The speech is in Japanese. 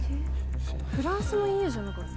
フランスもＥＵじゃなかった？